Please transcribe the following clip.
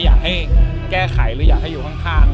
อยากให้แก้ไขหรืออยากให้อยู่ข้าง